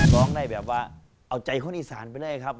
ร้องได้แบบว่าเอาใจคนอีสานไปเลยครับ